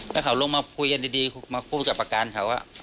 แล้วเขาลงมาคุยกันดีมาพูดกับประการเขา